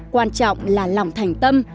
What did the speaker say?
quan trọng là lòng thành tâm